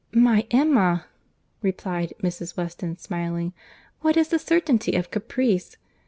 "My Emma!" replied Mrs. Weston, smiling, "what is the certainty of caprice?"